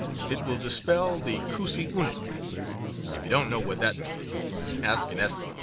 It will dispel the koosy oonek. (If you don't know what that means, ask an Eskimo.